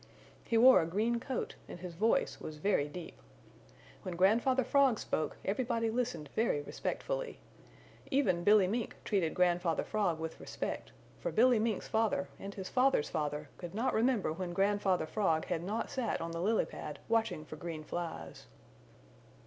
He wore a green coat and his voice was very deep. When Grandfather Frog spoke everybody listened very respectfully. Even Billy Mink treated Grandfather Frog with respect, for Billy Mink's father and his father's father could not remember when Grandfather Frog had not sat on the lily pad watching for green flies.